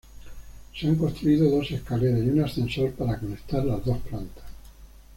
Se han construido dos escaleras y un ascensor para conectar las dos plantas.